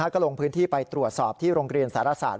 ก็ลงพื้นที่ไปตรวจสอบที่โรงเรียนสารศาสต